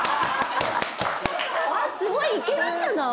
すごいいけるんじゃない？